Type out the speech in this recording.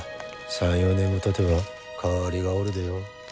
３４年もたてば代わりがおるでよ。